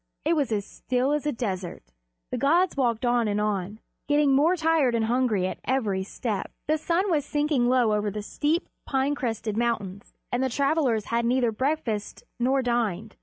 It was as still as a desert. The gods walked on and on, getting more tired and hungry at every step. The sun was sinking low over the steep, pine crested mountains, and the travelers had neither breakfasted nor dined.